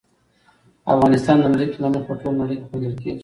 افغانستان د ځمکه له مخې په ټوله نړۍ کې پېژندل کېږي.